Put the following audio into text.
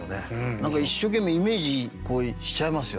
何か一生懸命イメージしちゃいますよね。